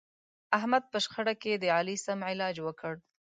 احمد په شخړه کې د علي سم علاج وکړ.